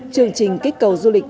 chương trình kích cầu du lịch